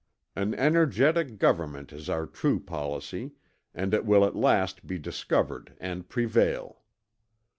An energetic government is our true policy, and it will at last be discovered and prevail."